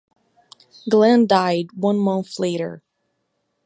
Glen died one month later.